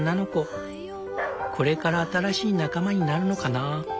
これから新しい仲間になるのかな。